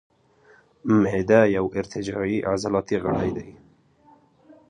معده یو ارتجاعي عضلاتي غړی دی.